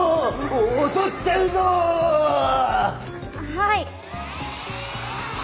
はい？